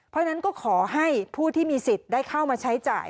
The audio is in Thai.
เพราะฉะนั้นก็ขอให้ผู้ที่มีสิทธิ์ได้เข้ามาใช้จ่าย